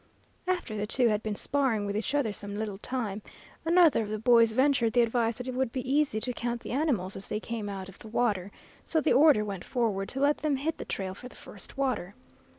"After the two had been sparring with each other some little time, another of the boys ventured the advice that it would be easy to count the animals as they came out of the water; so the order went forward to let them hit the trail for the first water.